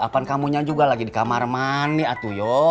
apan kamunya juga lagi di kamar mana atuyo